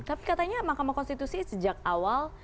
tapi katanya mahkamah konstitusi sejak awal